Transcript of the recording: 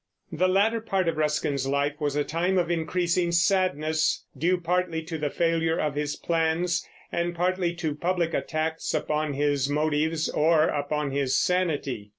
The latter part of Ruskin's life was a time of increasing sadness, due partly to the failure of his plans, and partly to public attacks upon his motives or upon his sanity.